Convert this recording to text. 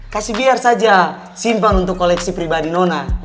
kasih biar saja simpan untuk koleksi pribadi nona